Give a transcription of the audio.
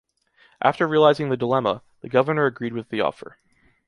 After realizing the dilemma, the governor agreed with the offer.